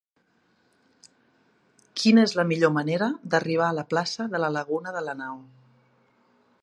Quina és la millor manera d'arribar a la plaça de la Laguna de Lanao?